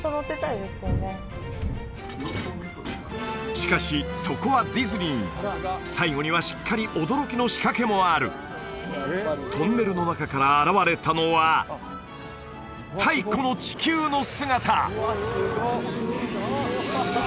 しかしそこはディズニー最後にはしっかり驚きの仕掛けもあるトンネルの中から現れたのは太古の地球の姿！